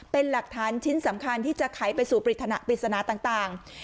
เป็นหลักฐานชิ้นสำคัญที่จะไขไปสู่ปริศนาต่าง